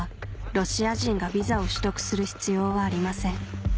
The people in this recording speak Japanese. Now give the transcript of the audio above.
ロシア人がビザを取得する必要はありません